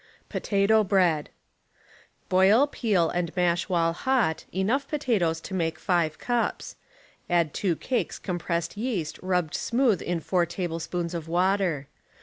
POTATO BREAD — Boil, peel and mash while hot, enough potatoes to make five cups; add two cakes compressed yeast rubbed smootli in four tablespoons of water.